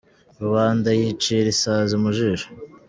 Rubanda yicira isazi mu jisho !